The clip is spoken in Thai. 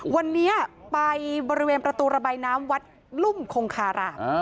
วันนี้ไปบริเวณประตูระบายน้ำวัดลุ่มคงคาราม